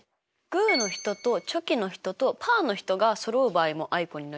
グーの人とチョキの人とパーの人がそろう場合もあいこになりますよ。